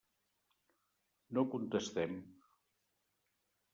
No contestem.